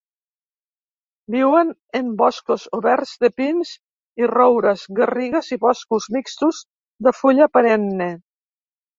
Viuen en boscos oberts de pins i roures, garrigues i boscos mixtos de fulla perenne.